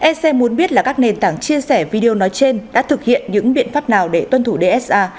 ec muốn biết là các nền tảng chia sẻ video nói trên đã thực hiện những biện pháp nào để tuân thủ dsa